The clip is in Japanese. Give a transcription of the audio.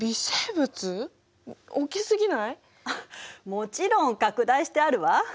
もちろん拡大してあるわ。